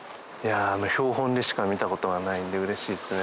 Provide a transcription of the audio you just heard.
標本でしか見たことがないんでうれしいですね